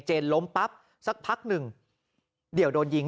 ล้มปั๊บสักพักหนึ่งเดี่ยวโดนยิง